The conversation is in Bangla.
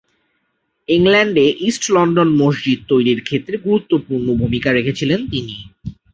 ইংল্যান্ডে ইস্ট লন্ডন মসজিদ তৈরীর ক্ষেত্রে গুরুত্বপূর্ণ ভূমিকা রেখেছিলেন তিনি।